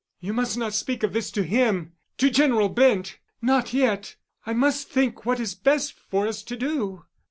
"You must not speak of this to him—to General Bent—not yet. I must think what it is best for us to do."